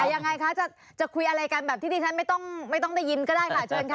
ยังไงคะจะคุยอะไรกันแบบที่ที่ฉันไม่ต้องได้ยินก็ได้ค่ะเชิญค่ะ